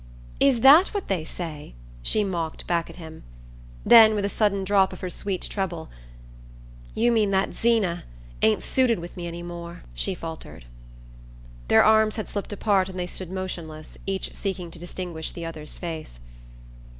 "Is that what they say?" she mocked back at him; then, with a sudden drop of her sweet treble: "You mean that Zeena ain't suited with me any more?" she faltered. Their arms had slipped apart and they stood motionless, each seeking to distinguish the other's face.